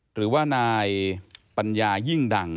หรือว่านายปัญญายิ่งดัง